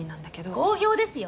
好評ですよ！